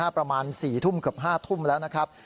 ประมาณ๔ทุ่มเกือบ๕ทุ่มแล้วนะครับ